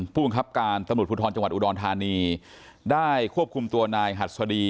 ผู้บังคับการตำรวจภูทรจังหวัดอุดรธานีได้ควบคุมตัวนายหัสดี